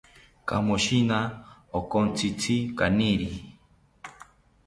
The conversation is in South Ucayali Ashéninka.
Kamoshina onkotzitzi kaniri